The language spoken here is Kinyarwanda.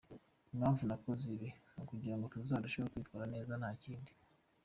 Impamvu nakoze ibi ni ukugira ngo tuzarusheho kwitwara neza nta kindi.